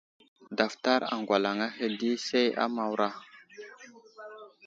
Daftar aŋgalaŋ ahe di say a Mawra.